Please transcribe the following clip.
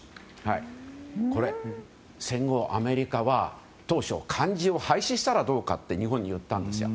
これは戦後、アメリカは当初漢字を廃止したらどうかと日本に言ったんです。